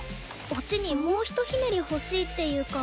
オチにもうひとひねり欲しいっていうか。